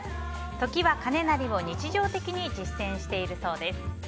時は金なりを日常的に実践しているそうです。